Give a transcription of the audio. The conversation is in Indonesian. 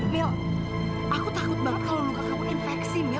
mil aku takut banget kalau luka kamu infeksi mil